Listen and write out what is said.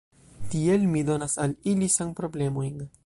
Tiel mi donas al ili sanproblemojn.